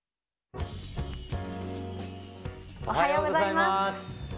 おはようございます。